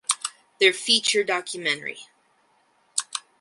Their feature documentary.